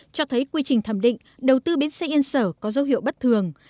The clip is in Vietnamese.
cho thấy quy trình thẩm định đầu tư bến xe yên sở có dấu hiệu bất thường